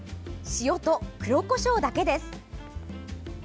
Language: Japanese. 塩と黒こしょうだけです。